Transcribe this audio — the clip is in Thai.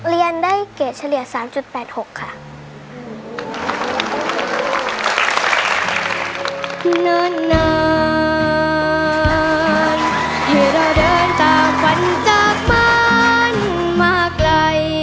เรียนได้เกรดเฉลี่ย๓๘๖ค่ะ